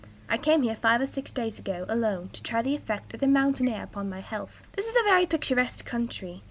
I came here five or six days ago, alone, to try the effect of the mountain air upon my health. "This is a very picturesque country.